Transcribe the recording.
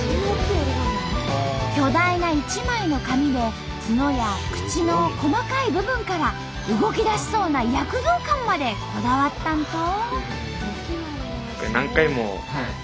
巨大な一枚の紙で角や口の細かい部分から動きだしそうな躍動感までこだわったんと！